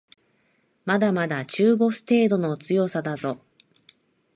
まだまだ中ボス程度の強さだぞ